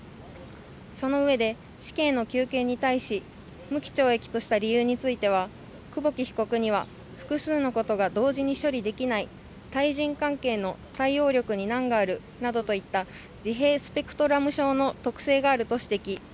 そのうえで、死刑の求刑に対し、無期懲役とした理由については、久保木被告には複数のことが同時に処理できない対人関係の対応力に難があるなどといった自閉スペクトラム症の特性があると指摘。